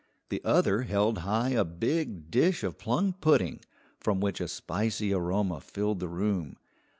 The other held high a big dish of plum pudding, from which a spicy aroma filled the room.